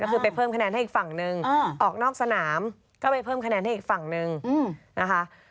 ก็คือไปเพิ่มคะแนนให้อีกฝั่งนึงออกนอกสนามก็ไปเพิ่มคะแนนให้อีกฝั่งนึงนะคะ